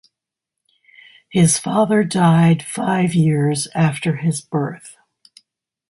His father died five years after his birth.